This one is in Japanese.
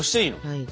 はい。